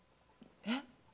えっ？